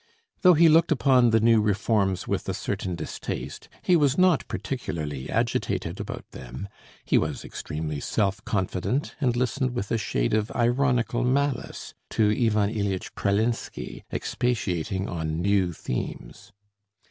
Though he looked upon the new reforms with a certain distaste, he was not particularly agitated about them: he was extremely self confident, and listened with a shade of ironical malice to Ivan Ilyitch Pralinsky expatiating on new themes.